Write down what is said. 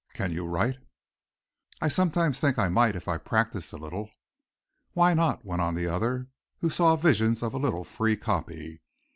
Can you write?" "I sometimes think I might if I practiced a little." "Why not," went on the other, who saw visions of a little free copy.